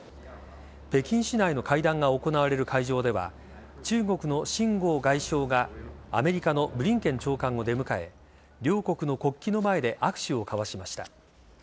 北京市内の会談が行われる会場では中国のシン・ゴウ外相がアメリカのブリンケン長官を出迎え両国の国旗の前で握手を交わしました。